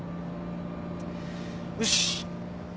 よし。